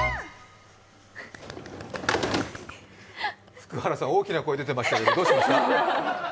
福原さん、大きな声出てましたけど、どうしました？